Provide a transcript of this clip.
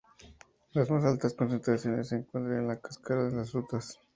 Las más altas concentraciones se encuentran en la cáscara de las frutas.